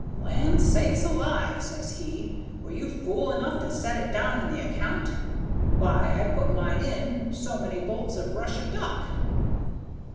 'Land sakes alive!' says he, 'were you fool enough to set it down in the account? Why, I put mine in, so many bolts of Russia duck.'"